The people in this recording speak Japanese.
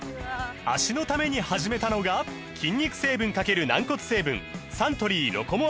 脚のために始めたのが筋肉成分×軟骨成分サントリー「ロコモア」です